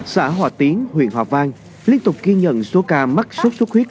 xã hòa tiến huyện hòa vang liên tục ghi nhận số ca mắc sốt xuất huyết